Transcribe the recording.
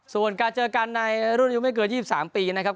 ส่วนการเจอกันในรุ่นอายุไม่เกิน๒๓ปีนะครับ